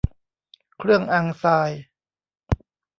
เครื่องอังทราย